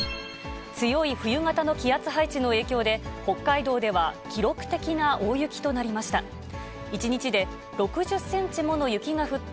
強い冬型の気圧配置の影響で、北海道では記録的な大雪となりました。